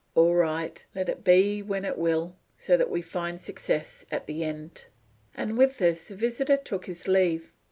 "All right. Let it be when it will, so that we find success at the end." And with this the visitor took his leave.